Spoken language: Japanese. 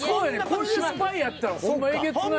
これでスパイやったらほんまえげつない。